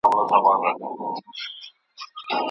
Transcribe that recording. ما مي ستا تر قدم لاندي د ځوانۍ کلونه فرش کړل